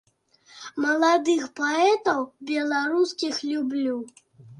Маладых паэтаў беларускіх люблю.